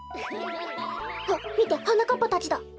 あみてはなかっぱたちだ。